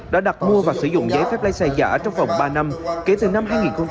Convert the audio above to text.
đã đặt mua và sử dụng giấy phép lái xe giả trong vòng ba năm kể từ năm hai nghìn một mươi